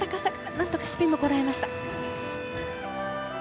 なんとかスピンもこらえました。